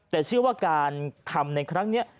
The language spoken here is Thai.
แต่เชื่อว่าการทำในครั้งนี้